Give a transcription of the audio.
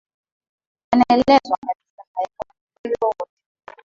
yanaelezwa kabisa hayakuwa na ukweli wowote